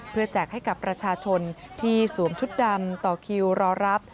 แจกให้กับประชาชนที่สวมชุดดำต่อคิวรอรับ